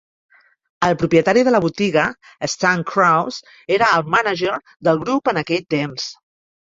El propietari de la botiga, Stan Krause, era el mànager del grup en aquell temps.